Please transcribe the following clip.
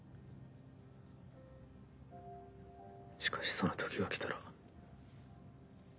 しかしその時が来たら。